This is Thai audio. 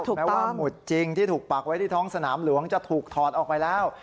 แม้ว่าหมุดจริงที่ถูกปักไว้ที่ท้องสนามหลวงจะถูกถอดออกไปแล้ว